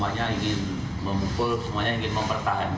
kalau memang orang itu berantem ya berantem